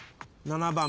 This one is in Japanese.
７番。